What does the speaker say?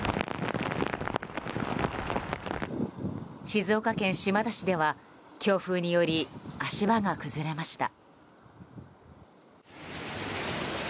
静岡県島田市では、強風により足場が崩れました。